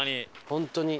本当に。